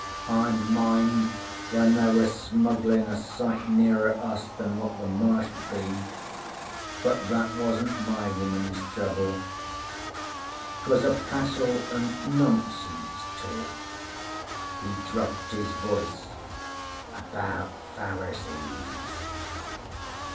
'I mind when there was smugglin' a sight nearer us than what the Marsh be. But that wasn't my woman's trouble. 'Twas a passel o' no sense talk' he dropped his voice 'about Pharisees.'